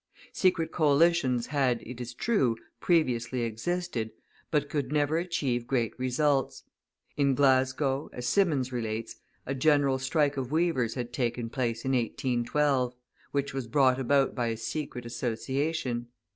Secret coalitions had, it is true, previously existed, but could never achieve great results. In Glasgow, as Symonds relates, a general strike of weavers had taken place in 1812, which was brought about by a secret association.